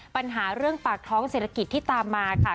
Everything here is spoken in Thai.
ปัญหาเรื่องปากท้องเศรษฐกิจที่ตามมาค่ะ